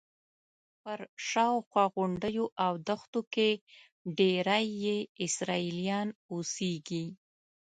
پر شاوخوا غونډیو او دښتو کې ډېری یې اسرائیلیان اوسېږي.